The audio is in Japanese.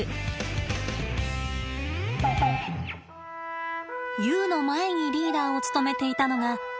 ユウの前にリーダーを務めていたのが父のゴヒチです。